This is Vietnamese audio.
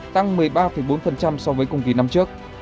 tăng một mươi ba bốn so với cùng kỳ năm trước